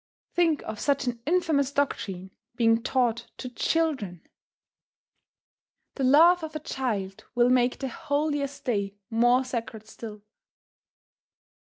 Think of such an infamous doctrine being taught to children! The laugh of a child will make the holiest day more sacred still.